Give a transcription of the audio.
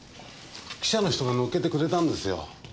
記者の人が載っけてくれたんですよ。